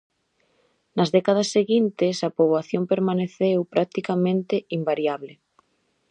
Nas décadas seguintes a poboación permaneceu practicamente invariable.